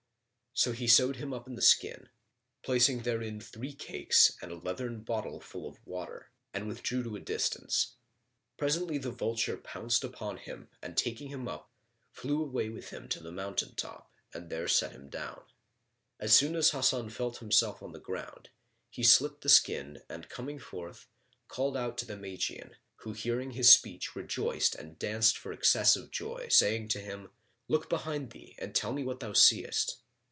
So he sewed him up in the skin, placing therein three cakes and a leathern bottle full of water, and withdrew to a distance. Presently a vulture pounced upon him and taking him up, flew away with him to the mountain top and there set him down. As soon as Hasan felt himself on the ground, he slit the skin and coming forth, called out to the Magian, who hearing his speech rejoiced and danced for excess of joy, saying to him, "Look behind thee and tell me what thou seest."